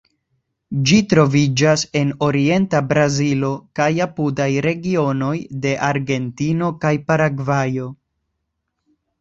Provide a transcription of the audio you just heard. Ĝi troviĝas en orienta Brazilo kaj apudaj regionoj de Argentino kaj Paragvajo.